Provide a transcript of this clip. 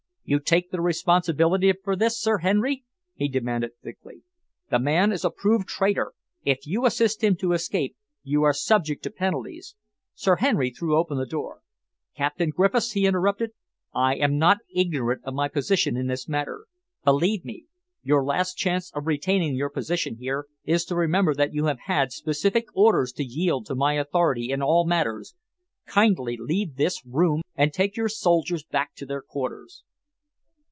"You take the responsibility for this, Sir Henry?" he demanded thickly. "The man is a proved traitor. If you assist him to escape, you are subject to penalties " Sir Henry threw open the door. "Captain Griffiths," he interrupted, "I am not ignorant of my position in this matter. Believe me, your last chance of retaining your position here is to remember that you have had specific orders to yield to my authority in all matters. Kindly leave this room and take your soldiers back to their quarters."